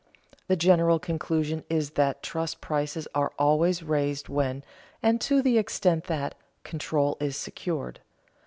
The general conclusion is that trust prices are always raised when, and to the extent that, control is secured.